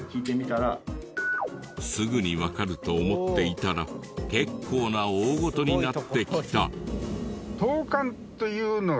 すぐにわかると思っていたら結構な大ごとになってきた。